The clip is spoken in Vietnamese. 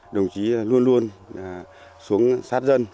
đồng chí luôn luôn xuống sát dân